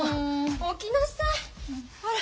起きなさいほら。